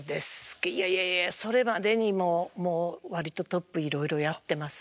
いやいやいやそれまでにもう割とトップいろいろやってます。